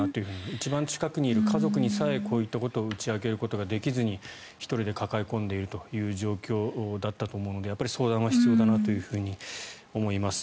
一番近くにいる家族にさえ打ち明けることができずに１人で抱え込んでいるという状況だったと思うので相談は必要だなと思います。